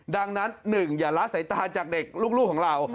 ดังนั้นหนึ่งอย่าละสายตาจากเด็กลูกของเรา